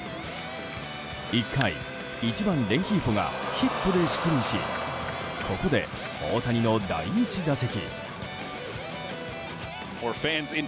１回、１番レンヒーフォがヒットで出塁しここで、大谷の第１打席。